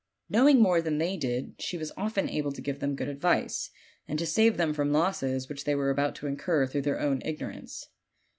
Knowing more than they did, she was often able to give them good advice, and to save them from losses which they were about to incur through their ignorance.